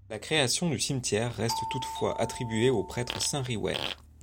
La création du cimetière reste toutefois attribuée au prêtre saint Riware.